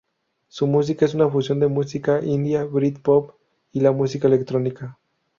Su música es una fusión de música india, britpop, y la música electrónica.